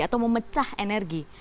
atau memecah energi